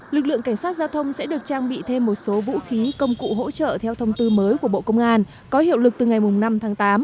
lực lượng cảnh sát giao thông sẽ được trang bị thêm một số vũ khí công cụ hỗ trợ theo thông tư mới của bộ công an có hiệu lực từ ngày năm tháng tám